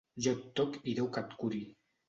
Jo et toc i Déu que et curi.